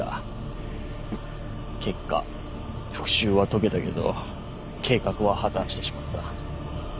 結果復讐は遂げたけど計画は破綻してしまった。